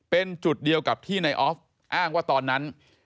เป็นจุดเดียวกับที่นายออฟอ้างว่าตอนนั้น